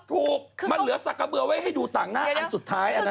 ตู๊กมันเหลือศักระเบื่อไว้ให้ดูต่างห้าอันสุดท้ายอันนั้นอ่ะ